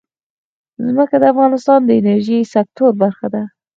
ځمکه د افغانستان د انرژۍ سکتور برخه ده.